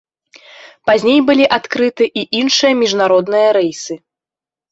Пазней былі адкрыты і іншыя міжнародныя рэйсы.